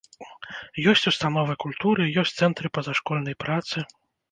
Ёсць установы культуры, ёсць цэнтры пазашкольнай працы.